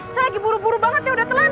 saya lagi buru buru banget ya udah telan